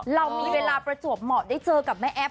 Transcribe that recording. เรามีเวลาประจวบเหมาะได้เจอกับแม่แอฟ